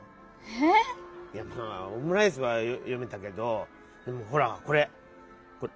ええっ⁉「オムライス」はよめたけどでもほらこれ！